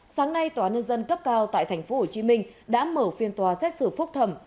sáng nay tòa nhân dân cấp cao tại tp hcm đã mở phiên tòa xét xử phúc thẩm